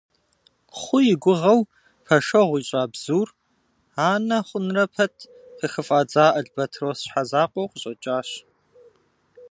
Хъу и гугъэу пэшэгъу ищӀа бзур, анэ хъунрэ пэт, къыхыфӀадза албэтрос щхьэзакъуэу къыщӀэкӀащ.